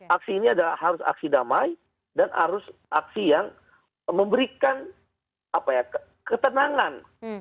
aksi ini harus aksi damai dan harus aksi yang memberikan ketenangan